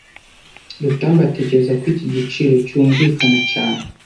Rutambi atekereza ko iki giciro cyumvikana cyane